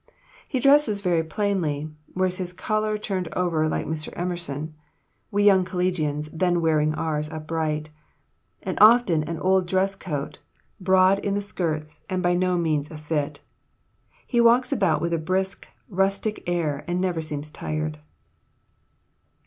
He dresses very plainly, wears his collar turned over like Mr. Emerson" [we young collegians then wearing ours upright], "and often an old dress coat, broad in the skirts, and by no means a fit. He walks about with a brisk, rustic air, and never seems tired."